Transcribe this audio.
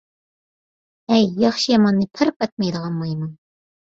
ھەي، ياخشى - ياماننى پەرق ئەتمەيدىغان مايمۇن!